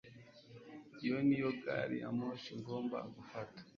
Iyo niyo gari ya moshi ngomba gufata